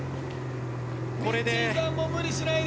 みっちーさんも無理しないで。